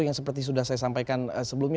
yang seperti sudah saya sampaikan sebelumnya